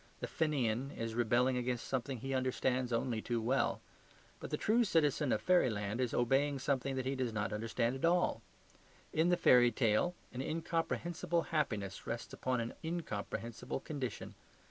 The Fenian is rebelling against something he understands only too well; but the true citizen of fairyland is obeying something that he does not understand at all. In the fairy tale an incomprehensible happiness rests upon an incomprehensible condition.